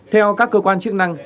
theo các cơ quan chức năng